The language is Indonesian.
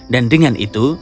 dan dengan itu